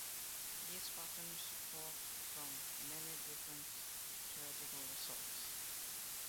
These patterns follow from many different theoretical results.